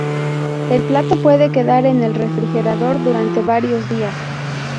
El plato puede quedar en el refrigerador durante varios días.